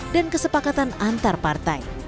dan kesepakatan antar partai